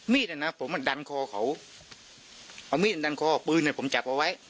มีดอันนั้นนะผมมันดันคอเขาเอามีดดันคอปืนผมจับเอาไว้